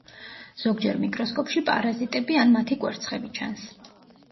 ზოგჯერ მიკროსკოპში პარაზიტები ან მათი კვერცხები ჩანს.